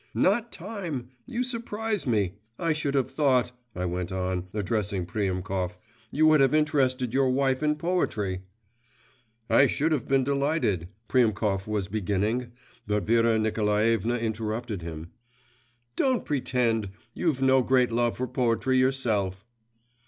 'Not time! You surprise me! I should have thought,' I went on, addressing Priemkov, 'you would have interested your wife in poetry.' 'I should have been delighted ' Priemkov was beginning, but Vera Nikolaevna interrupted him 'Don't pretend; you've no great love for poetry yourself.